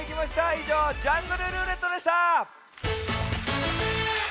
いじょう「ジャングルるーれっと」でした！